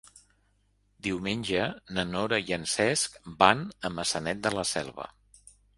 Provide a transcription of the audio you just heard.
Diumenge na Nora i en Cesc van a Maçanet de la Selva.